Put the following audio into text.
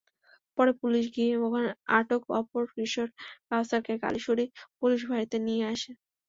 পরে পুলিশ গিয়ে আটক অপর কিশোর কাওছারকে কালিশুরী পুলিশ ফাঁড়িতে নিয়ে আসে।